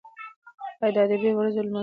ایا د ادبي ورځو لمانځل کومه ګټه لري؟